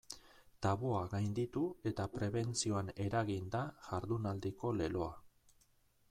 Tabua gainditu eta prebentzioan eragin da jardunaldiko leloa.